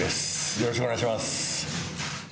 よろしくお願いします。